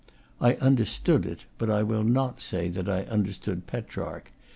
I understood it, but I will not say that I understood Petrarch.